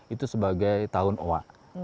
itu sebagai tahun owa